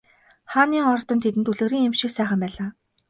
Хааны ордон тэдэнд үлгэрийн юм шиг сайхан байлаа.